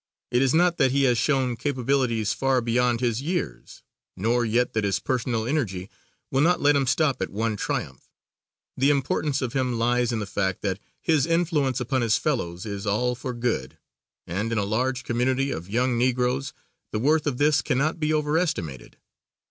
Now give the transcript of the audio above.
It is not that he has shown capabilities far beyond his years, nor yet that his personal energy will not let him stop at one triumph. The importance of him lies in the fact that his influence upon his fellows is all for good, and in a large community of young Negroes the worth of this cannot be over estimated.